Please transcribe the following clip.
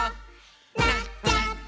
「なっちゃった！」